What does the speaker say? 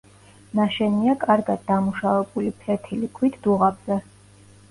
ნაშენია კარგად დამუშავებული ფლეთილი ქვით დუღაბზე.